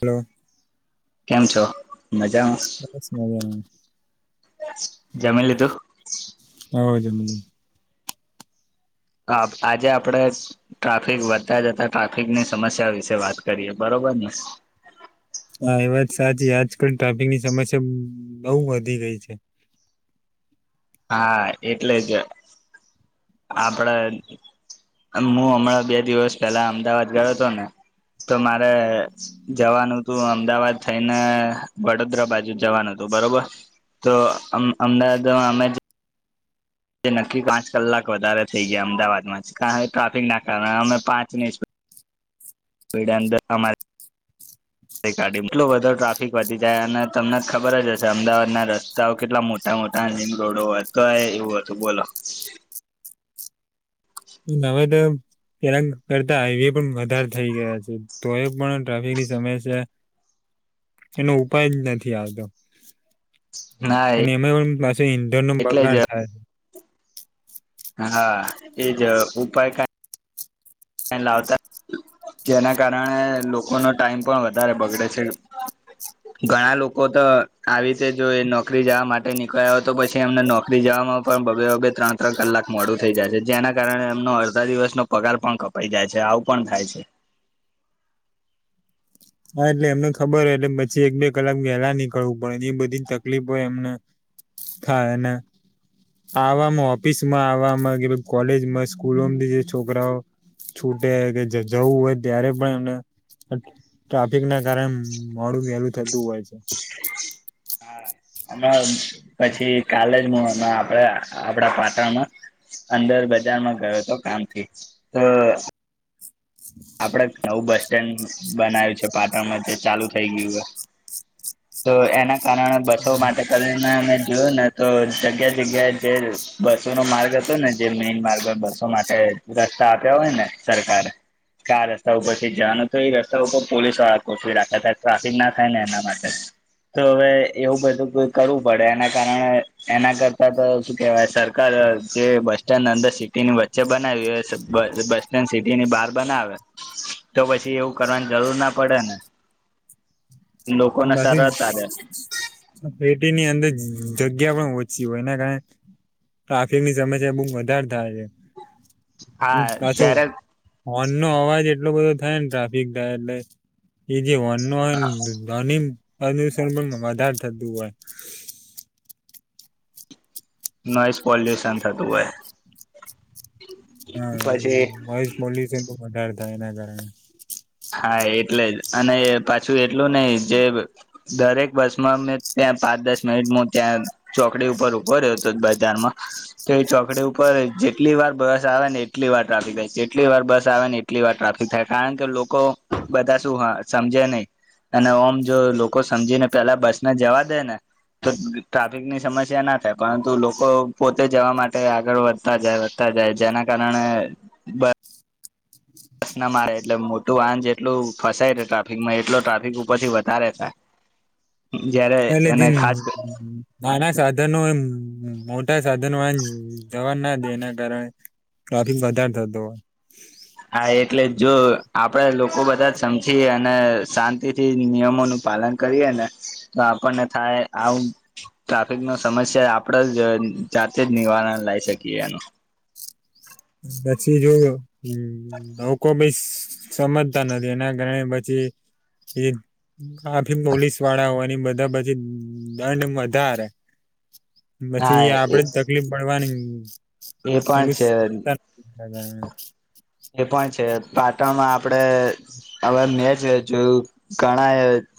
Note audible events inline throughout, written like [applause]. Hello કેમ છો? બસ મજા. જમીન લીધું. હ જમની આજે આપડે ટ્રાફિક વધતા જતા ટ્રાફિકની સમસ્યા વિશે વાત કરીએ બરોબર ને હા એ વાત સાચી આજકાલ ટ્રાફિકની સમસ્યા બહુ વધી ગઈ છે. હા એટલે જ આપડે હું હમણાં બે દિવસ પહેલા અમદાવાદ ગયો હતો ને તો મારે જવાનું તું અમદાવાદ થઈને વડોદરા બાજુ જવાનું હતું બરોબર તો અમદાવાદ અમે તે નક્કી પાંચ કલાક વધારે થઈ ગયા અમદાવાદમાં ટ્રાફિકના કારણે અમે પાંચ ની સ્ડનંદમા ગાડીમાં એટલું બધો ટ્રાફિક વધી જાય અને તમને ખબર જ હશે અમદાવાદના રસ્તાઓ કેટલા મોટા મોટા રિમ રોડોતો એવું હતું બોલો. હવે તો પેલા કરતા હાઈવે પણ વધારે થઈ ગયા છે તો એ પણ ટ્રાફિકની સમસ્યા એનો ઉપાય જ નથી આવતો. ના અને એમાં પણ પાછ ઇન્ડોર ન એટલે બગાડ જ થાય છે. હા એજ ઉપાય કઈ લાવતા જેના કારણે લોકોનો ટાઈમ પણ વધારે બગડે છે ઘણા લોકો તો આવી રીતે જો નોકરી જવા માટે નીકળ્યા હોય તો પછી એમને નોકરી જવામાં પણ બબે બબે ત્રણ ત્રણ કલાક મોડું થઇ જાય છે જેના કારણે એમનો અડધા દિવસનો પગાર પણ કપ પઈ જાય છે આવું પણ થાય છે. હા એટલે એમને ખબર હોય એટલે પછી એક બે કલાક વહેલા નીકળવું પડે એ બધી તકલીફો એમને થાય આવામાં ઓફિસમાં આવામાં કે કોલેજમાં સ્કૂલોમાંથી જે છોકરાઓ છૂટે કે જવું હોય ત્યારે પણ એમને ટ્રાફિક ના કારણે મોડું વહેલું થતું હોય છે. પછી કાલજ મુમાં આપણે આપડા પાટણમાં અંદર બજારમાં ગયો હતો કામથી તો આપડ નવું બસ સ્ટેન્ડ બનાય્યું છે પાટણમાં તે ચાલુ થઈ ગયું હો તો એના કારણ બસો માટે કરીને જોયું ને તો જગ્યા જગ્યા જે બસો નો માર્ગ હતો ને જે મેઈન માર્ગ બસો માટે રસ્તા આપ્યા હોય ને સરકારે ક રસ્તા ઉપરથી જવાનું તો એ રસ્તા ઉપર પોલીસ વાળા કોસવી રાખ્યા હતાાય ટ્રાફિક ના થાય ને એના માટે તો હવે એવું બધુંઈ કરવું પડે એના કારણે એના કરતા તો શું કેહેવાય સરકાર જે બસ સ્ટેન્ડ અંદર સિટીની વચ્ચે બનાવી બસ સ્ટેન્ડ સિટીની બહાર બનાવે તો પછી એવું કરવાની જરૂર ના પડે ને લોકોને બાકી સરળતાાગે પેટીની અંદર જગ્યા પણ ઓછી હોય એના કારણે ટ્રાફિકની સમસ્યા બહ વધારે થાય હા છે. પાછો ત્યારે હોન નો અવાજ એ એટલો બધો થાય ને ટ્રાફિક થાય એટલે જેવાન [unintelligible] અનુસણ પણ વધારે થતું હો નોઈસ પોલ્યુશન થતું હોય હા પછી મયશ મલ્લીશ એ મોટડતા એના કર [unintelligible] હા એટલે જ અને પાછું એટલું નહી જે દરેક બસ માં મેં ત્યાં પાંચ દસ મિનિટમાં ત્યાં ચોકડી ઉપર ઉભો રહ્યો હતો બજારમાં તો એ ચોકડી ઉપર જેટલી વાર બસ આવે ને એટલી વાર ટ્રાફિક થાય જેટલી વાર બસ આવે ને એટલી વાર ટ્રાફિક થાય કારણ કે લોકો લોકો બધા શું સમજે નહી અને ઓમ જો લોકો સમજીને પેલા બસને જવા દે ને તો ટ્રાફિક ની સમસ્યા ના થાય પરંતુ લોકો પોતે જવા માટે આગળ વધતા જાય વધતા જાય જેના કારણે બ પ્રસનમાં આવે એટલે મોટું વાહન જેટલું ફસાય છે ટ્રાફિકમાં એટલો ટ્રાફિક ઉપરથી વધારે થાય જયારે એલે જે અને ખાસ નાના સાધનો એમ હ બ સાધનમાંન [unintelligible] ના દે એના કારણે [unintelligible] વધાર થતો હોય હા એટલે જો આપણેે લોકો બધા જ સમજી અને શાંતિથી નિયમોનું પાલન કરીએ ને તો આપણને થાય આવું ટ્રાફિક ન સમસ્યા આપણે જ જાતે જ નિવારણ [unintelligible] શકીએ એનું પછી જો [unintelligible] લોકો [unintelligible] સમજતા નથી એના કારણે પછી એ આ [unintelligible] પોલીસ વાળા હોય બધા પછી દંડ વધારે હા પછી એ આપડે તકલીફ પડવાની [unintelligible] એ પણ એવી છે. [unintelligible] એ પણ છે, પાટણમાં આપણેે હવે મેં છે, જોયું ઘણા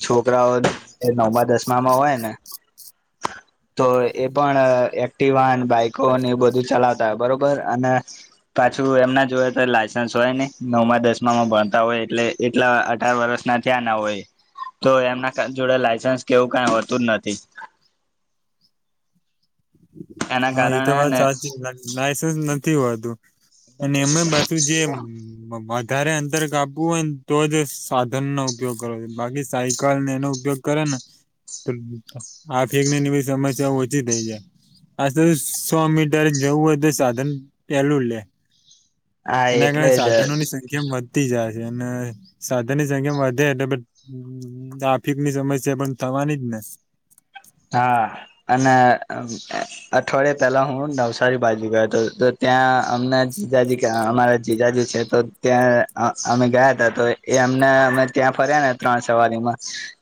છોકરાઓ નવમા દસમામાં હોય ને તો એ પણ એક્ટિવાન બાઈકોને એ બધું ચલાવતા હોય બરોબર અને પાછું એમના જોડે તો લાયસન્સ હોય ને નવમાં દસમામાં ભણતા હોય એટલે એટલા અઢાર વર્ષ ના ત્યાં ના હોય તો એમના જોડે લાયસન્સ કેવું કઈ હોતું જ નથી. એના હા એ તો કારણે વાત ને [unintelligible] ના [unintelligible] અને એમે પાછુ જે વધારે અંતર કાપવું હોય ને તો જ સાધન નો ઉપયોગ કરવો બાકી સાયકલને એનો ઉપયોગ કરે ને તો આફિકની [unintelligible] સમસ્યા ઓછી થઈ જાય આજ તો સો મીટર જવું હોય તો સાધન પહેલું લે હા એના કારણે એટલે જ સાધનો ની સંખ્યામાં વધતી જાય. ને સાધન ની સંખ્યામાં વધે એટલે ટ્રાફિક ની સમસ્યા પણ થવાની જ ને. હા અને અઠવાડિયા પેલા હું નવસારી બાજુ ગયો હતો. તો ત્યાં અમના જીજાજી અમારા જીજાજી છે, તો ત્યાં અમે ગયા હતા. તો એ અમને અમે ત્યાં ફર્યા ને ત્રણ સવારીમાં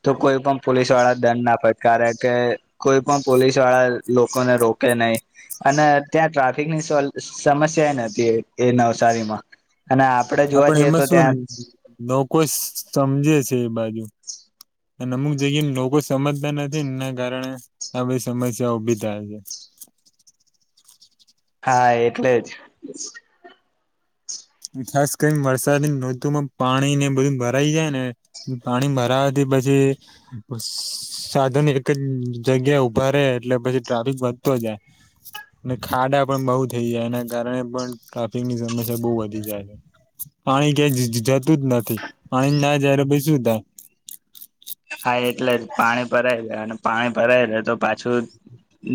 તો કોઈ પણ પોલીસ વાળા દંડ ના ફટકારે. કે કોઈ પણ પોલીસ વાળા લોકોને રોકે નહીં અને ત્યાં ટ્રાફિક ની સમસ્યા એ નથી નવસારીમાં. અને આપડે જોવા આપણ જઈએ એમાં તો શું ત્યાં લોકો સમજે? છે, એ બાજુ, અને અમુક જગ્યા લોકો સમજતા નથી એના કારણે આ બી સમસ્યા ઉભી થાય છે. હા, એટલે જ. ખાસ કરીને વરસાદની ઋતુમાં પાણી ને બધું ભરાઈ જાય ને. પાણી ભરાવાથી પછી સાધન એક જ જગ્યા ઉભા રહે, એટલે પછી ટ્રાફિક વધતો જાય અને ખાડા પણ બહુ થઇ જાય. એના કારણે પણ ટ્રાફિક ની સમસ્યા બહુ વધી. પાણી ક્યાય જતું જ નથી, પાણી ના જાય તો પછી શું થાય? હા, એટલે જ પાણી ભરાય જાય અને પાણી ભરાય જે તો પાછું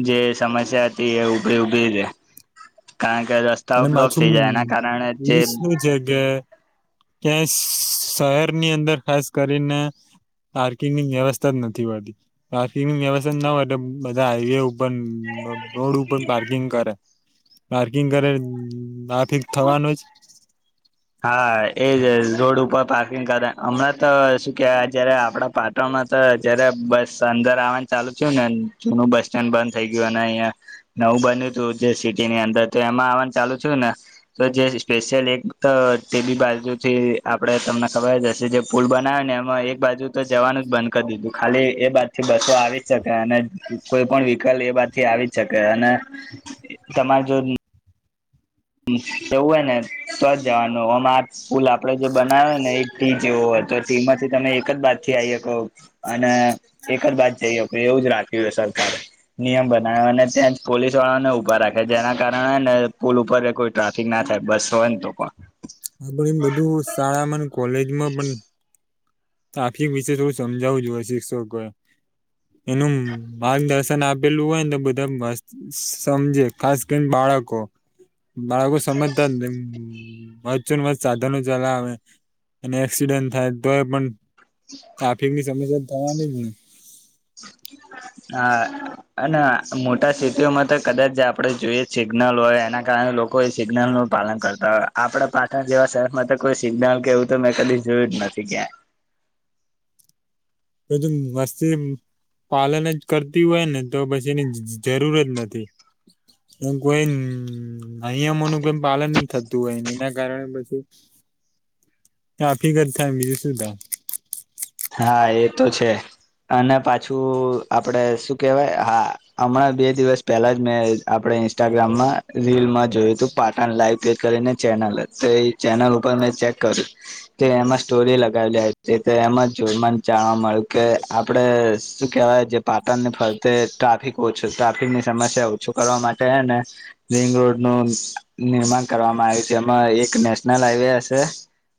જે સમસ્યા હતી એ ઉભી ઉભી રહે, કારણ કે રસ્તાઓ અને બ્લોક પાછું થઈ જાય એના કારણે જે [unintelligible] ક્યા શહેરની અંદર ખાસ કરીને પાર્કિંગની વ્યવસ્થા જ નથી હોતી. પાર્કિંગની વ્યવસ્થા ના હો બધા હાઈવે ઉપર રોડ ઉપર પાર્કિંગ કરે. પાર્કિંગ કરે. હમ, બાકી થવાનું જ. હા, એ જ રોડ ઉપર પાર્કિંગ કર. હમણાં તો શું કેવા, જયારે આપડા પાટણમાં તો જયારે બસ અંદર આવવાનું ચાલુ થયું ને જનું બસ સ્ટેન્ડ બંધ થઇ ગયું, અને અહીંયા નવું બન્યું હતું જે સિટીની અંદર, તો એમાં આવવાનું ચાલુ છું, ને તો જે સ્પેશિયલ એક તો તે બી બાજુથી, આપડે તમને ખબર જ હશે જે પુલ બનાવે ને, એમાં એક બાજુ તો જવાનું બંધ કરી દીધું. ખાલી એ [unintelligible] થી બસો આવી શકે અને કોઈ પણ વ્હીકલ એ બાજુ થી આવી જ શકે. અને તમારે જો જવું હોય ને તો જ જવાનું. પુલ આપડે જે બનાવે ને, એક ટીમ. જેવો હોય તો સીમાંથી તમે એક જ બાદ થી આવી શકો અને એક જ બાદ જઈ શકો એવું જ રાખ્યું હો. સરકારે નિયમ બનાવ્યો અને ત્યાં જ પોલીસ વાળાને ઉભા રાખે જેના કારણે ને પુલ ઉપર કોઈ ટ્રાફિક ના થાય, બસ હોય ને તો [unintelligible] આપડે એમ બધું શાળામાં, કોલેજમાં પણ આખી વિષે થોડું સમજાવું જોઈએ. શિક્ષકો એ એનું માર્ગદર્શન આપેલું હોય ને તો બધા સમજે. ખાસ કરીને બાળકો બાળકો સમજતા વચન વ સાધનો ચલાવે અને એક્સિડન્ટ થાય તો એ પણ ટ્રાફિક ની સમસ્યા તમાની. હા, અને મોટા સીટીઓમાં તો કદાચ આપણે જોઈએ સિગ્નલ હોય, એના કારણે લોકો એ સિગ્નલનું પાલન કરતા હોય. આપણા પાછળ જેવા શહેરમાં તો કોઈ સિગ્નલ કે એવું તો મેં કદી જોયું જ નથી ક્યાં. તો વસ્તી પાલન જ કરતી હોય ને તો પછી એની જરૂર જ નથી. હું કોઈ નિયમોનું કોઈ પાલન જ થતું હોયને એના કારણે પછી તફીકત થાય, બીજું શું થાય? હા એ તો છે અને પાછું આપણે શું કહેવાય.. હા, હમણાં બે દિવસ પહેલા જ મેં આપણે ઇન્સ્ટાગ્રામમાં રીલમાં જોયું હતું, પાટણ લાઈવ ચેનલ કરીને ચેનલ તો એ ચેનલ ઉપર મેં ચેક કર્યું કે એમાં સ્ટોરી લગાવેલી છે, એમાં જોર જાણવા મળ્યું કે આપડે શું કહેવાય, જે પાટણની ફરતે ટ્રાફિક ઓછી ટ્રાફિકની સમસ્યા ઓછું કરવા માટેને રિંગ રોડનું નિર્માણ કરવામાં આવ્યું છે. એમાં એક નેશનલ હાઈવે હશે,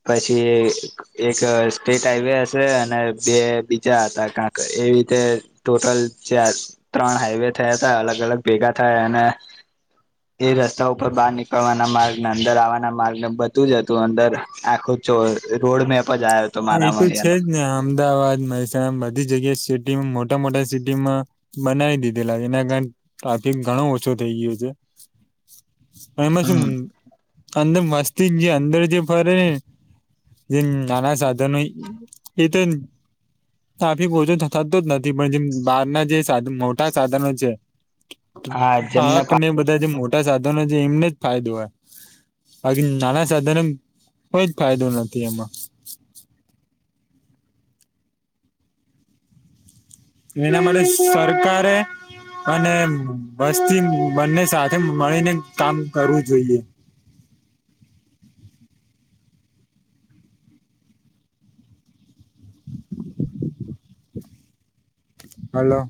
પછી એક સ્ટેટ હાઈવે હશે. અને બે બીજા હતા કક એ રીતે ટોટલ ત્રણ હાઈવે થયા હતા અલગ અલગ ભેગા થયા અને એ રસ્તા ઉપર બહાર નીકળવાના માર્ગ, અંદર આવવાના માર્ગ ને બધું જ હતું. અંદર આખું જો રોડ મેપ મજા આવ્યો તો હા એ મારા મને. છે જ ને અમદાવાદ, મહેસાણા બધી જગ્યાએ સિટીમાં મોટા મોટા સિટીમાં બનાવી દીધેલા એના કારણે ટ્રાફિક ઘણો ઓછો થઇ ગયો છે. એમાં છું. અંદર મસ્તી જ. જે અંદર જે ફરે ને, જે નાના સા સાધનો એ તો આાફી ઓછો થતા તો જ નથી, પણ જેમ બહાર ના જે સાધ મોટા સાધનો છે. હા જેમને પા આકને બધા જે મોટા મોટા સાધનો છે એમને જ ફાયદો હોય, બાકી નાના સાધનો કોઈ જ ફાયદો નથી એમાં. એના માટે સરકારે અને વસ્તી બંને સાથે મળીને કામ કરવું જોઈએ. હલો.